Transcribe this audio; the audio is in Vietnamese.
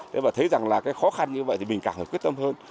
thấy rằng khó khăn như vậy thì mình càng quyết tâm hơn